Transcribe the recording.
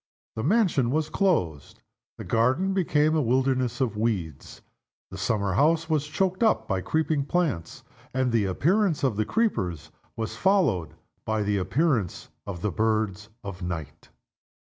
The mansion was closed. The garden became a wilderness of weeds. The summer house was choked up by creeping plants; and the appearance of the creepers was followed by the appearance of the birds of night.